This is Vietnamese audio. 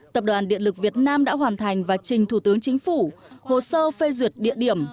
tập đoàn điện lực việt nam đã hoàn thành và trình thủ tướng chính phủ hồ sơ phê duyệt địa điểm